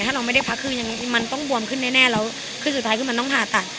ถ้าเราไม่ได้พักคือยังไงมันต้องบวมขึ้นแน่แล้วคือสุดท้ายคือมันต้องผ่าตัด